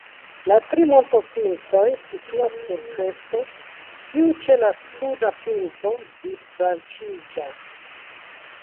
La tri montopintoj situas sur kresto, kiu ĉe la suda pinto disbranĉiĝas.